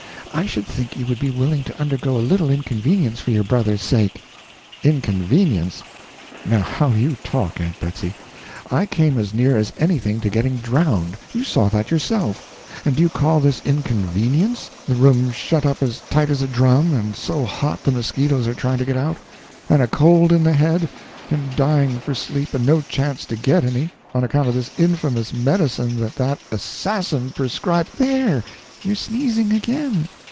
I should think you would be willing to undergo a little inconvenience for your brother's sake." "Inconvenience! Now how you talk, Aunt Betsy. I came as near as anything to getting drowned you saw that yourself; and do you call this inconvenience? the room shut up as tight as a drum, and so hot the mosquitoes are trying to get out; and a cold in the head, and dying for sleep and no chance to get any on account of this infamous medicine that that assassin prescri " "There, you're sneezing again.